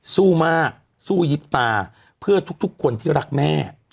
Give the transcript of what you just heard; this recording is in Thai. สู้มากสู้ยิบตาเพื่อทุกคนที่รักแม่